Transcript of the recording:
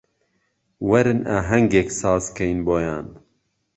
وەرن ئاهەنگێک سازکەین بۆیان